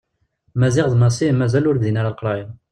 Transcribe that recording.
Maziɣ d Massi mazal ur bdin ara leqraya.